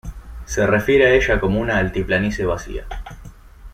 Se refiere a ella como una altiplanicie vacía.